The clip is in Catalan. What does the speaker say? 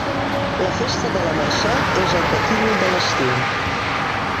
La festa de la Mercè és el patíbul de l'estiu.